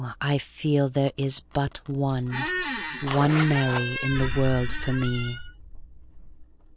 I feel there is but one, One Mary in the world for me.